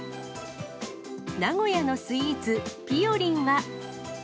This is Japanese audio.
名古屋のスイーツ、ぴよりんは。